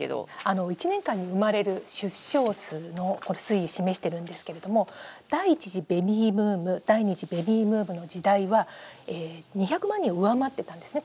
１年間に生まれる出生数の推移示してるんですけれども第１次ベビーブーム第２次ベビーブームの時代は２００万人を上回ってたんですね